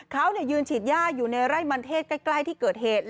เขายืนฉีดย่าอยู่ในไร่มันเทศใกล้ที่เกิดเหตุ